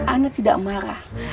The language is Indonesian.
anak tidak marah